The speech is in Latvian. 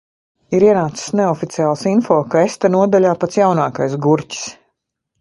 Ir ienācis neoficiāls info, ka es te nodaļā pats jaunākais gurķis.